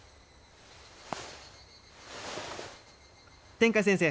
天海先生